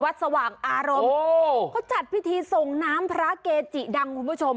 สว่างอารมณ์เขาจัดพิธีส่งน้ำพระเกจิดังคุณผู้ชม